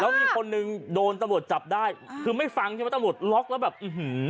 แล้วมีคนหนึ่งโดนตำรวจจับได้อ่าคือไม่ฟังใช่มะตำรวจล็อคแล้วแบบอื้อฮู